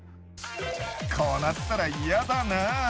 こうなったらイヤだなぁ。